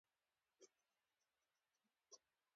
ما د لوږې احساس کاوه.